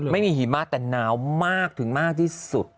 ไม่มีหิมะแต่หนาวมากถึงมากที่สุด